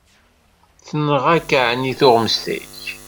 Tenɣa-k ɛni tuɣmest-ik?